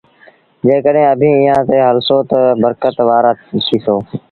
جيڪڏهينٚ اڀيٚنٚ ايٚئآنٚ تي هلسو تا برڪت وآرآ ٿيٚسو۔